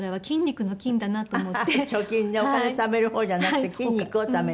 お金ためる方じゃなくて筋肉をためる。